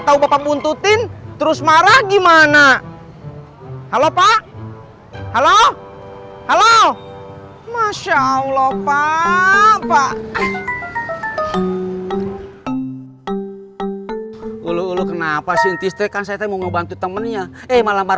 sampai jumpa di video selanjutnya